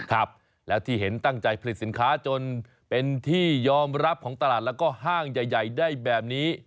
ครับแล้วที่เห็นตั้งใจผลิตสินค้าจนเป็นที่ยอมรับของตลาดแล้วก็ห้างใหญ่ได้แบบนี้